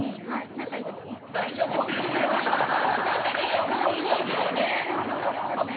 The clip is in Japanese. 仲が悪いイメージがあるから。